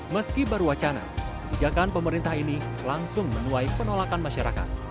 meski baru wacana kebijakan pemerintah ini langsung menuai penolakan masyarakat